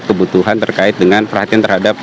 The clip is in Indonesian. kebutuhan terkait dengan perhatian terhadap